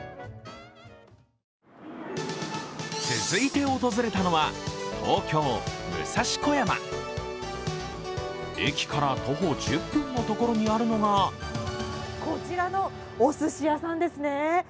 続いて訪れたのは東京・武蔵小山駅から徒歩１０分のところにあるのがこちらのおすし屋さんですね。